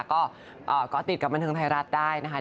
ก็ติดกับบรรทึงไทยรัฐได้นะคะ